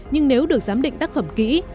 nhưng nếu được giám định tác phẩm kỹ